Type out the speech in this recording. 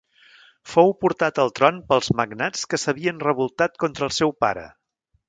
Fou portat al tron pels magnats que s'havien revoltat contra el seu pare.